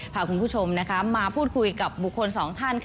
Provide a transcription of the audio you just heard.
พาคุณผู้ชมมาพูดคุยกับบุคคลสองท่าน